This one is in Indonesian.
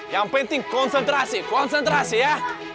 yang penting konsentrasi konsentrasi ya